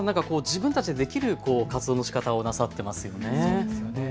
皆さん自分たちでできる活動のしかたをなさっていますよね。